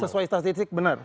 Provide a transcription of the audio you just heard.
sesuai statistik benar